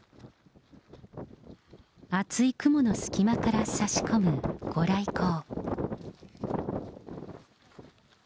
厚い雲の隙間からさし込む御来光。